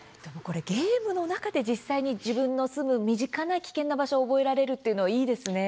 ゲームの中で実際に自分の住む身近な危険な場所を覚えられるというのは、いいですね。